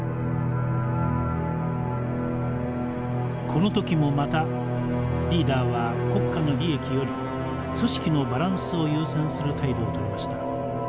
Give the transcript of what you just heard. この時もまたリーダーは国家の利益より組織のバランスを優先する態度をとりました。